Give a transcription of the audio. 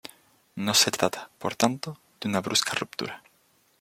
No se trata, por tanto, de una brusca ruptura.